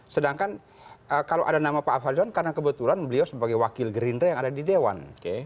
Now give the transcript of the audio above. sedangkan kalau ada nama pak fadlion karena kebetulan beliau sebagai wakil gerindra yang ada di dewan